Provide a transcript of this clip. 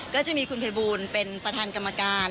ก็จะมีคุณภัยบูลเป็นประธานกรรมการ